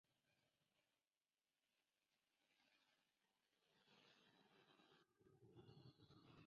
La sede del condado es Edinburg, pero McAllen es su mayor ciudad.